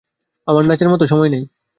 আমার নাচার মতো সময় নেই।